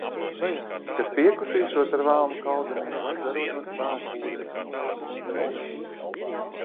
Kad piekusīšot, ar velnu kaudamies, lai dzerot no spēka ūdens, tad nelabo uzveikšot.